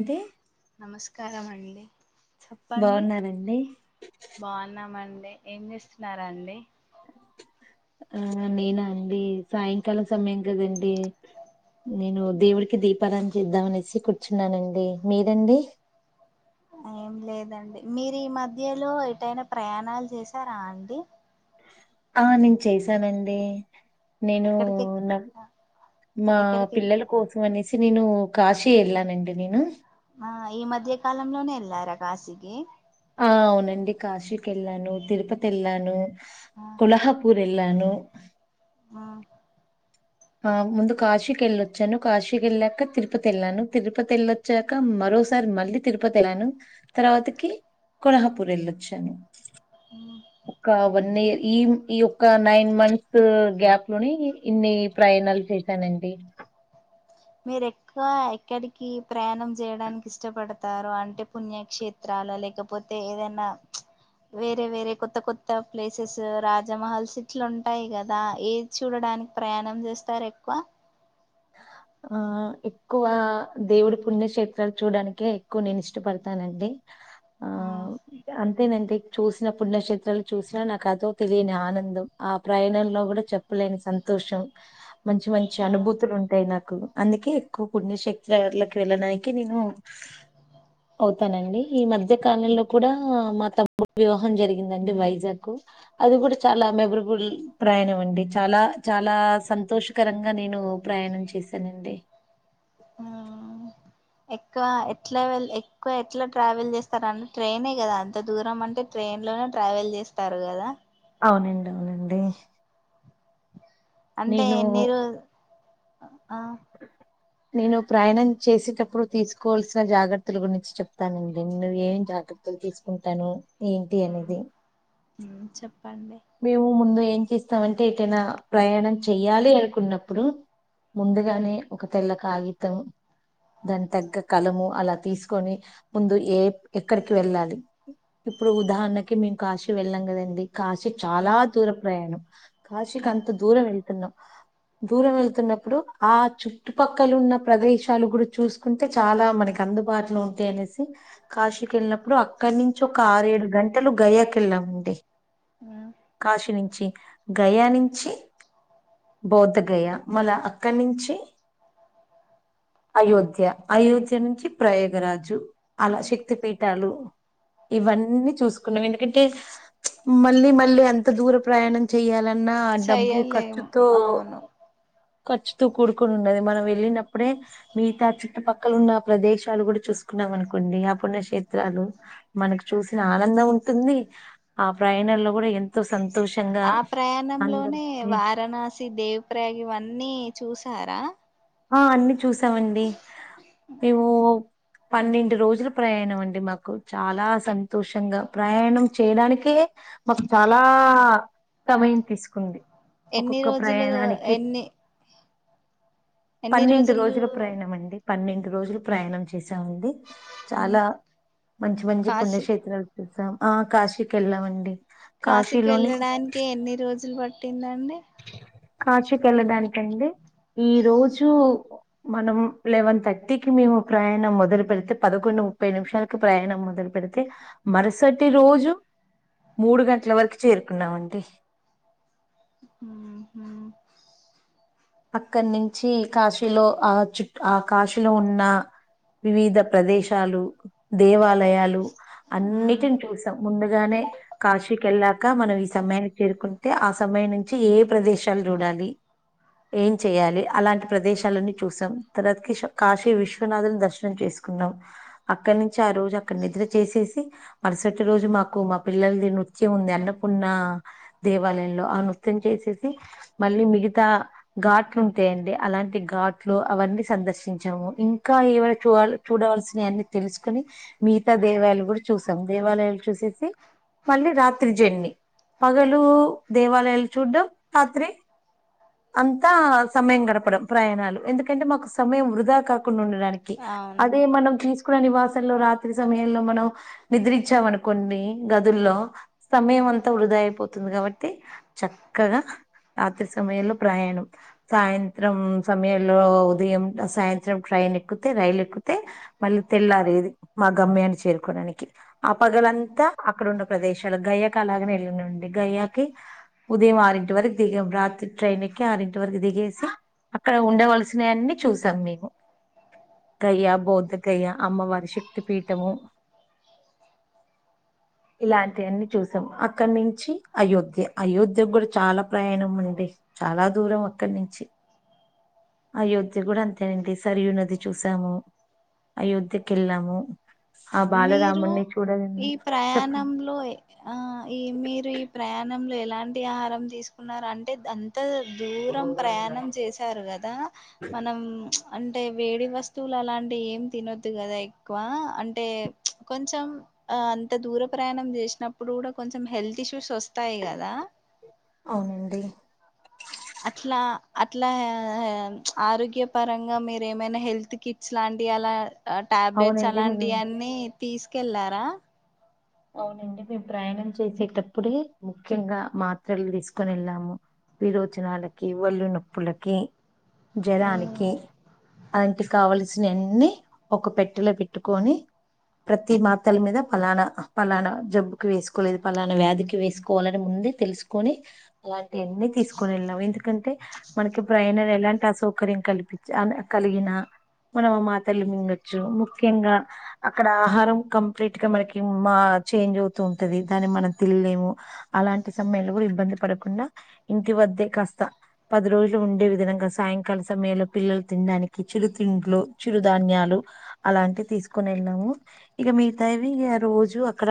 అంతే నమస్కారం అండి చెప్పండి బాగున్నానండి బాన్నామండి ఏం చేస్తున్నారండి ఆ నేనా అండి సాయంకాలం సమయం కదండి నేను దేవుడికి దీపారాదన చేద్దామనేసి కూర్చున్నానండి మీదండి ఏం లేదండి మీరు ఈ మధ్యలో ఎటైనా ప్రయాణాలు చేసారా అండి ఆ నేన్ చేసానండి నేను ఎక్కడికి నా మా ఎక్కడికి పిల్లల కోస్ సం అనేసి నేను కాశి ఎల్ల అండీ నేను ఆ ఈ మధ్య కాలంలోనే వెళ్ళారా కాశికి ఆ అవునండి కాశీకి వెళ్ళాను తిరుపతి వెళ్ళాను కుల్హాపూర్ ఏళ్ళను ఆ ఆ ముందు కాశీకి వెళ్ళొచ్చాను కాశీకి వెళ్ళాక తిరుపతి వెళ్ళాను తిరుపతి వెళ్ళో చ్చాక మరోసారి మళ్ళీ తిరుపతి వెళ్ళాను తర్వాతకి కొలహాపూర్ వెళ్ళొచ్చాను ఉ ఒక వన్ ఇయర్ ఈ ఈ ఒక్క నైన్ మంత్స్ గ్యాప్ లోనే ఇన్ని ప్రయాణాలు చేశానండి మీరు ఎక్కువ ఎక్కడికి ప్రయాణం చేయడానికి ఇష్టపడతారు అంటే పుణ్యక్షేత్ త్రల లేకపోతే ఏదైనా వేరే వేరే కొత్త కొత్త ప్లేసెస్ రాజమహల్స్ ఇట్లు ఉంటాయి కదా ఏ చూడడానికి ప్రయాణం చేస్తారు ఎక్కువ ఉ ఆ ఎక్కువ దేవుడు పుణ్యక్షేత్రాలు చూడడానికే ఎక్కువ నేను ఇష్టపడతానండి ఆ అం అదేనంటే చూసిన పుణ్యక్షేత్రాలు చూసినా నాకు అదో తెలియని ఆనందం ఆ ప్రయాణంలో కూడా చె చెప్పలేని సంతోషం మంచి మంచి ఆ అనుభూతి ఉంటాయి నాకు అందుకే ఎక్కువ పుణ్యక్షేత్రలకి వెళ్ళడానికి నేను అ అవుతానండి ఈ మధ్య కాలంలో కూడా మా తమ్ముడు వివాహం జరిగిందండి వైజాగ్ కు అది కూడా చాలా మెబరుబుల్ ప్రయాణం అండి చాలా చాలా సంతోషకరంగా నేను ప్రయాణం చేశానండి ఆ ఎక్కువ ఎట్లా ఎక్కువ ఎట్లా ట్రావెల్ చేస్తారం ట్రైనే కదా అంత దూరం అంటే ట్రైన్ లోనే ట్రావెల్ చేస్తారు కదా అవునండి అవునండి అంటే నేను, ఎన్ని రోజ్ ఆ నేను ప్రయాణం చేసేటప్పుడు తీసుకోవాల్సిన జాగ్రత్తలు గురించి చెప్తానండి నువు ఏం కాదు త్తలు తీసుకుంటాను ఏంటి అనేది చెప్పండి మేము ముందు ఏం చేస్తామంటే ఏటైనా ప్రయాణం చెయ్యాలి అనుకున్నప్పుడు ముందుగానే ఒక తెల్ల కాగితం దాని తగ్గ కలము అలా తీసుకొని ముందు ఏ ఎక్కడికి వెళ్ళాలి ఇప్పుడు ఉదాహరణకి మేము కాశీ వెళ్ళం కదండి కాశీ చాలా దూర ప్రయాణం కాశిక్ అంత దూరం వెళ్తున్నాం దూరం వెళ్తున్నప్పుడు ఆ చుట్టుపక్కల ఉన్న ప్రదేశాలు కూడా చూసుకుంటే అంటే చాలా మనకి అందుబాటులో ఉంటాయనేసి కాశీకి వెళ్ళినప్పుడు అక్కడి నుంచి ఒక ఆరేడు గంటలు గయాకెళ్ళామండి ఉ కాశి నుంచి గయా నుంచి బౌద్ధ గయా మల అక్కడి నుంచి అయోధ్య అయోధ్య నుంచి ప్రయోగరాజు అలా శక్తి పీఠాలు ఇవన్నీ చూసుకున్నాం ఎందుకంటే మళ్ళీ మళ్ళీ ఎంత దూర ప్రయాణం చేయాలన్నా డబ్బు చెయ్యలేము ఖర్చుతో అవును ఖర్చుతూ కూడుకొని ఉన్నది మనం వెళ్ళినప్పుడే మిగతా చుట్టుపక్కల ఉన్న ప్రదేశాలు కూడా చూసుకున్నాం అనుకోండి ఆ పుణ్యక్షేత్రాలు మనకు చూసిన ఆనందం ఉంటుంది. ఆ ప్రయాణంలో కూడా ఎంతో సంతోషంగా ఆ ప్రయాణంలోనే అందరి వారణాసి. దేవి ప్రయాగ్ ఇవన్నీ చూసారా. ఆ అన్ని చూసామండి ఎఓ. పన్నెండు రోజులు ప్రయాణం అండి మాకు చాలా సంతోషంగా ప్రయాణం చేయడానికే. మాకు చాలా సమయం తీసుకుంది ఎన్ని ఒక్కొక్క రోజులు ప్రయాణానికి. ఎన్ని ఎన్ని పన్నెండు రోజులు రోజుల ప్రయాణం అండి. పన్నెండు రోజులు ప్రయాణం చేసా ఉంది ఉమ్ చాలా మంచి మంచి కాశీ పుణ్యక్షేత్రాలు. ఆ కాశికెళ్లామండి. కాశీకి వెళ్ళడానికి ఎన్ని రోజులు పట్టిందండి. కాచుకెళ్ళడానికండి ఈ రోజు. మనం లెవెన్ థర్టీకి మేము ప్రయాణం మొదలు పెడితే పదకొండు ముప్పై నిమిషాలు. ప్రయాణం మొదలు పెడితే మరుసటి రోజు. మూడు గంటల వరకు చేరుకున్నామండి. హ. అక్కడ నుంచి కాశీలో ఆ చుట్ ఆ కాశీలో ఉన్న. వివిధ ప్రదేశాలు దేవాలయాలు ఉమ్ అన్నిటిని చూస్. ముందుగానే కాశీకి వెళ్ళాక మనం ఈ సమయానికి చేరుకుంటే ఆ సమయం నుంచి ఏ ఏ ప్రదేశాలు చూడాలి. ఏం చెయాలి అలాంటి ప్రదేశాలన్నీ చూసాం తర్వాత క కాశీ విశ్వనాథుని దర్శనం చేసుకున్నాం. అక్కడ నుంచి ఆ రోజు అక్కడ నిద్ర చేసేసి. మరుసటి రోజు మాకు మా పిల్లలది నృత్యం ఉంది అన్నపూర్ణ. దేవాలయంలో ఆ నృత్యం చేసేసి మళ్ళీ మిగతా. ఘాట్లుంటాయంండి అలాంటి ఘాట్లు అవన్నీ సందర్శించాము ఇంకా ఏవైనా చూడాల. చూడవలసినవి అన్ని తెలుసుకుని మిగతా దేవలు కూడా చూసాం దేవాలయాలు చూసేసి. మళ్ళీ రాత్రి జర్న్ని పగలు దేవాలయాలు చూడ్డం రాత్రి. అంతా సమయం గడపడం ప్రయాణాలు ఎందుకంటే మాకు సమయం వృధా కా. ఉండడానికి అవును అదే మనం తీస్. కుల నివాసంలో రాత్రి సమయంలో మనం నిద్రించామని కొన్ని గదుల్లో. సమయం అంతా వృధా అయిపోతుంది కాబట్టి చక్కగా రాత్రి సమయంలో. ప్రయాణం. సాయంత్రం సమయంలో ఉదయం సాయంత్రం ట్రైన్ ఎక్కుతే రైలు ఎక్కితే. మళ్ళీ తెల్లారీ మా గమ్మ్యాన్ని చేరుకోడానికి. ఆ పగలంతా అక్కడ ఉన్న ప్రదేశాలు గయయాకి అలాగనే వెళ్ళండి గయ్యాకి. ఉదయం ఆరుంటి వరకు దీగం రాత్రి. ట్రైన్ ఎక్కి ఆరింటి వరకు దిగేసి అక్కడ ఉండవలసిన అన్ని చూసాం మేము. దయ్యా బౌధ కయ్యా అమ్మవారి శక్తి పీఠము. ఇలాంటి అన్ని చూసాం అక్కడ నుంచి అయోధ్య అయోధ్య కూడా చాలా ప్రయాణం అండి. చాలా దూరం అక్కడి నుంచి. అయోధ్య కూడా అంతేనండి సరియు నది చూసాము. అయోధ్య కెళ్ళాము. మీరు ఈ చెప్పండి ప్రయాణంలో. ఆ ఈ మీరు ఈ ప్రయాణంలో ఎలాంటి ఆహారం తీసుకున్నారు అంటే దన్. త దూరం ప్రయాణం చేసారు కదా. మనం అంటే వేడి వస్తువులు అలాంటివి ఏం తినొద్దు కదా ఎక్కువ అంటే అంటే కొంచెం ఆ అంత దూర ప్రయాణం చేసినప్పుడు కూడా కొంచెం హెల్త్ ఇష్యూస్ వస్తాయి కదా అవునండి అట్లా అట్లా ఆరోగ్యపరంగా మీరు ఏమైనా హెల్త్ కిట్స్ లాంటివి అలా టాబ్లెట్స్ అవునండి అలాంటి మేము అన్ని తీసుకెళ్లారా అవునండి మేము ప్రయాణం చేసేటప్పుడే ముఖ్యంగా మాత్రలు తీసుకని వెళ్ళాము విరోచనాలకి ఒళ్ళు నొప్పులకి జ్వరానికి అలాంటి కావల్సినవన్ని ఒక పెట్టెలో పెట్టుకొని ప్రతి మాత్రల మీద ఫలానా పలానా జబ్బుకి వేసుకోలేదు పలానా వ్యాధికి వేసుకోవాలని ముందు తెలుసుకొని అలాంటివన్నీ తీసుకుని వెళ్ళాం ఎందుకంటే మనకి ప్రయాణాలకు ఎలాంటి అసౌకర్యం కలిపి అనిపించిన కలిగిన మనం మా మాత్రలు మింగొచ్చు ముఖ్యంగా అక్కడ ఆహారం కంప్లీట్ గా మనకి మా చేంజ్ అవుతూ ఉంటది దాన్ని మనం తినలేము అలాంటి సమయాంలో కూడా ఇబ్బంది పడకుండా ఇంటి వద్దే కాస్త పది రోజులు ఉండే విధంగా సాయంకాల సమయంలో పిల్లలు తినడానికి చిరు తిండ్లు చిరు ధాన్యాలు అలాంటి తీసుకుని వెళ్ళాము ఇక మిగతావి రోజు అక్కడ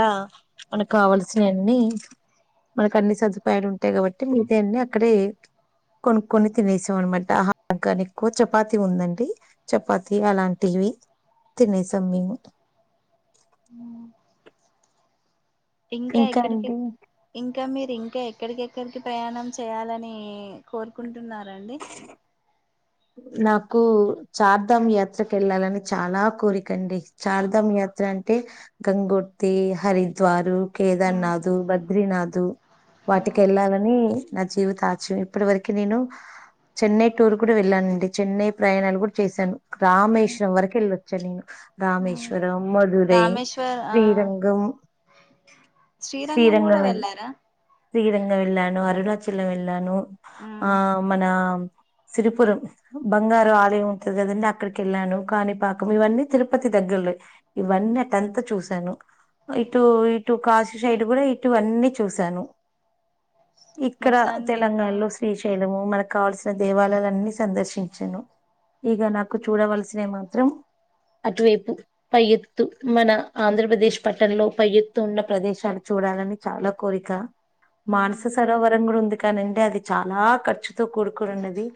మనకు కావాల్సినఅన్ని మనకు అన్ని సదుపాయాలు ఉంటాయి కాబట్టి మిగతావి అన్ని అక్కడే కొనుక్కొని తినేసాం అనమాట ఆహారం కాని ఎక్కువ చపాతి ఉందండి చపాతి అలాంటివి తినేసాం మేము ఉ ఇంకా ఎక్కడికి ఇంకా మీరు ఇంకా ఎక్కడికిఎక్కడికి ప్రయాణం చేయాలని కోరుకుంటున్నారండి నాకు చార్ధాం యాత్రకు వెళ్ళాలని చాలా కోరికండి చార్ధాం యాత్ర అంటే గంగోతి హరిద్వారు కేదార్నాథ్ బద్రీనాథ్ వాటికి వెళ్లాలని నా జీవిత ఆశయం ఇప్పటి వరకు నేను చెన్నై టూర్ కూడా వెళ్ళాలనండి అంటే చెన్నై ప్రయాణాలు కూడా చేశాను రామేశ్వరం వరకు వెళ్ళొచ్చాను నేను రామేశ్వరం త్రిపుర మధురై రామేశ్వర్ ఆ శ్రీరంగం శ్రీరంగం కూడా వెళ్ళారా శ్రీరంగ వెళ్ళాను అరుణాచలాం వెళ్ళాను ఆ మన సిరిపురం బంగారు ఆలయం ఉంటది కదండి అక్కడికెళ్ళాను కాణిపాకం ఇవన్నీ తిరుపతి దగ్గరలే ఇవన్నీ అటు అంత చూశాను ఇటు ఇటు కాశీ సైడ్ కూడా ఇటుఅన్నీ చూశాను ఇక్కడ మొత్తానికి ఆ తెలంగాణలో శ్రీశైలము మనకు కావాల్సిన దేవాలయాలన్ని సందర్శించాను ఇక నాకు చూడవలసిన మాత్రం అటువైపు పై ఎత్తు మన ఆంధ్రప్రదేశ్ పట్టణంలో పై ఎత్తు ఉన్న ప్రదేశాలు చూడాలని చాలా కోరిక మానస సరోవరం కూడా ఉంది కాని అండి అది చాలా ఖర్చుతో కూడుకోనున్నది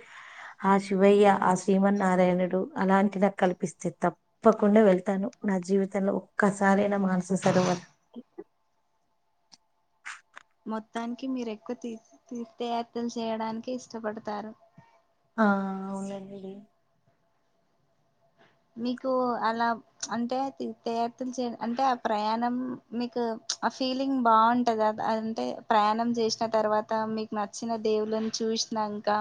ఆ శివయ్య ఆ శ్రీమన్నారాయణుడు అలాంటి నా కల్పిస్తే తప్ప తప్పకుండా వెళ్తాను నా జీవితంలో ఒక్కసారైన మానస సరోవర్ మొత్తాన్కి మీరు ఎక్కువ తీ తీ తీర్థయాత్రల్ చేయడానికి ఇష్టపడుతారు ఆ అవునండి మీకు అలా అంటే తీర్థ చేయను అంటే ఆ ప్రయాణం మీకు ఆ ఫీలింగ్ బావుంటదా అంటే ప్రయాణం జేస్న తర్వాత మీ నచ్చిన దేవుళ్లను చూస్నాంకా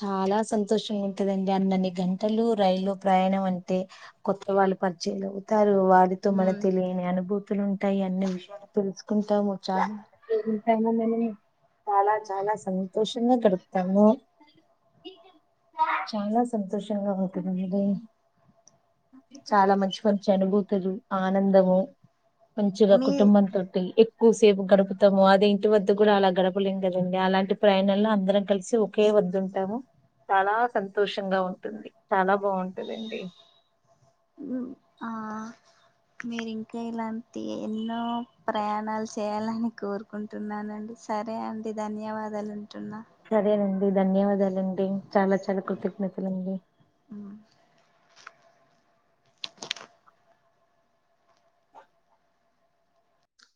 చాలా సంతోషంగుంటదండి అన్నన్ని గంటలు రైల్లో ప్రయాణం అంటే కొత్త వాళ్ళు పరిచయలు అవుతారు వారితో మనకు తెలియని అనుభూ తులుంటాయి అన్ని విషయాలు తెలుసుకుంటాము చాలా [unintelligible] చాలా చాలా సంతోషంగా గడుప్తాము చాలా సంతోషంగా ఉంటుంది చాలా మంచి మంచి అనుభూతులు ఆనందము మంచిగా మీ కుటుంబంతోటి ఎక్ క్కు సేపు గడుపుతాము అదే ఇంటి వద్ద కూడా అలా గడపలేం గదండి అలాంటి ప్రయాణాల్లో అందరం కలిసి ఒ ఒకే వద్దుంటాము చాలా సంతోషంగా ఉంటుంది చాలా బావుంటదండి [inaudible] అహా మీరింకా ఇలాంటి ఎన్నో ప్రయాణాల్ చేయాలని కోరు కుంటున్నానండి సరే అండి ధన్యవాదాల్ లుంటున్నా సరేనండి ధన్యవాదాలండి చాలా చాలా కృతజ్ఞతలండి హు ఆ [unintelligible]